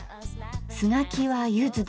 酢がきはゆずで。